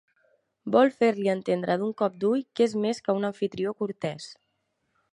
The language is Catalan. Vol fer-li entendre d'un cop d'ull que és més que un amfitrió cortès.